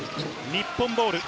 日本ボール。